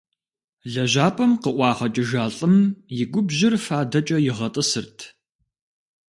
Лэжьапӏэм къыӏуагъэкӏыжа лӀым и губжьыр фадэкӀэ игъэтӀысырт.